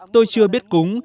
tôi chưa biết cúng